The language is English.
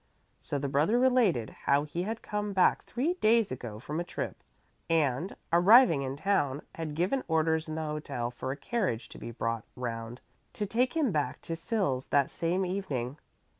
So the brother related how he had come back three days ago from a trip and, arriving in town, had given orders in the hotel for a carriage to be brought round to take him back to Sils that same evening.